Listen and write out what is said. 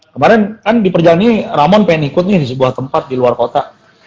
kemarin kan di perjalanan ini ramon pengen ikut nih di sebuah tempat di luar kota